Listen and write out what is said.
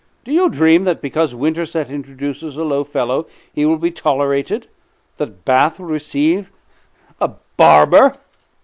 "Do you dream that' because Winterset introduces a low fellow he will be tolerated that Bath will receive a barber?"